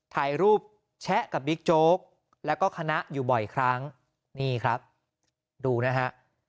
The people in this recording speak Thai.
ถ่ายรูปแชะกับบิ๊กโจ๊กแล้วก็คณะอยู่บ่อยครั้งนี่ครับดูนะฮะ